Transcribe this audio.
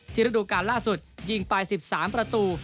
ที่ฤดูการณ์ล่าสุดยิงปลาย๑๓ประตู